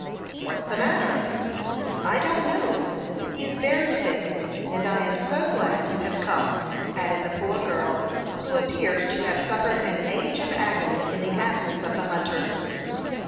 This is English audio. "What's the matter?" "I don't know; he is very sick, and I am so glad you have come!" added the poor girl, who appeared to have suffered an age of agony in the absence of the hunter.